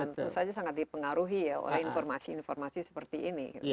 itu saja sangat dipengaruhi oleh informasi informasi seperti ini